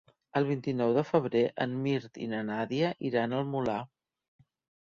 El vint-i-nou de febrer en Mirt i na Nàdia iran al Molar.